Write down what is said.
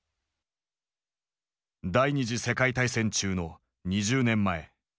第二次世界大戦中の２０年前。